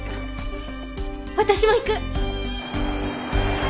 私も行く！